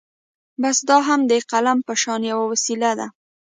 بس دا هم د قلم په شان يوه وسيله ده.